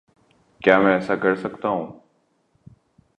کیا میں ایسا کر سکتا ہوں؟